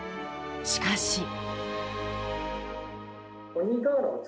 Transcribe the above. しかし。